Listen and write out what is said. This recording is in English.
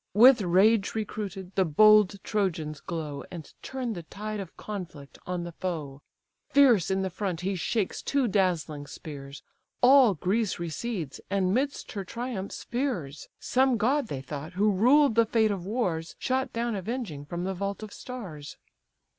With rage recruited the bold Trojans glow, And turn the tide of conflict on the foe: Fierce in the front he shakes two dazzling spears; All Greece recedes, and 'midst her triumphs fears; Some god, they thought, who ruled the fate of wars, Shot down avenging from the vault of stars.